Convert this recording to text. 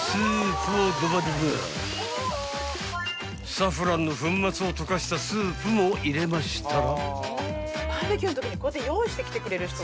［サフランの粉末を溶かしたスープも入れましたら］